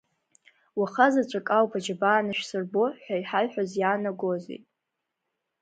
Уахазаҵәык ауп аџьабаа анышәсырбо ҳәа иҳаиҳәаз иаанагозеи.